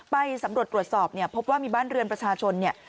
ไปสำรวจตรวจสอบเนี่ยพบว่ามีบ้านเรือนประชาชนเนี่ย